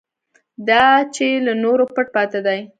دا چې له نورو پټ پاتې دی.